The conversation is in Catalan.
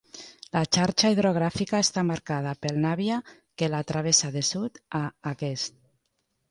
La xarxa hidrogràfica està marcada pel Navia que la travessa de sud a aquest.